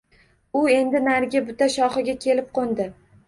U endi narigi buta shoxiga kelib qo’ndi.